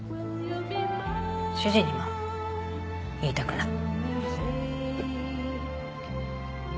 主人にも言いたくない。